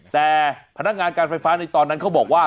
แต่พนักงานการไฟฟ้าในตอนนั้นเขาบอกว่า